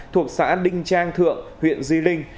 thuộc xã đinh trang thượng huyện di linh